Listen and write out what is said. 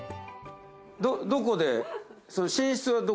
どこで。